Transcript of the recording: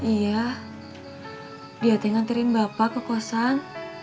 iya dia tinggal terim bapak ke kosan